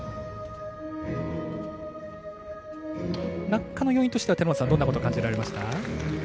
落下の要因としてはどんなことを感じましたか？